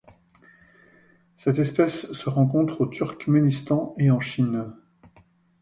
Cette espèce se rencontre au Turkménistan et en Chine.